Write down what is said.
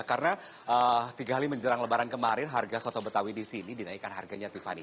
karena tiga hari menjelang lebaran kemarin harga soto betawi di sini dinaikkan harganya tiffany